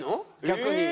逆に。